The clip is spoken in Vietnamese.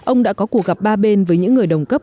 ông đã có cuộc gặp ba bên với những người đồng cấp